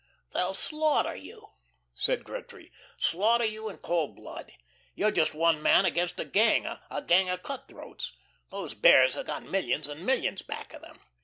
"They'll slaughter you," said Gretry, "slaughter you in cold blood. You're just one man against a gang a gang of cutthroats. Those Bears have got millions and millions back of them.